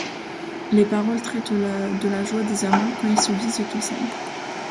Les paroles traitent de la joie des amants quand ils se disent qu'ils s'aiment.